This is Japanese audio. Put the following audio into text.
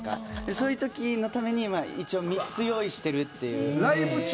そういうときのために一応、３つ用意してるっていう。